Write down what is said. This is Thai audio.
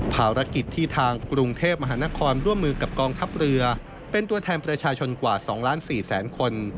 ภารกิจที่ทางกรุงเทพมหานครร่วมมือกับกองทัพเรือเป็นตัวแทนประชาชนกว่า๒ล้าน๔แสนคน